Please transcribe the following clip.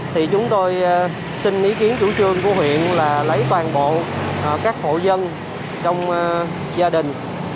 thì chúng tôi xin ý kiến chủ trương của huyện là lấy toàn bộ các hộ dân trong gia đình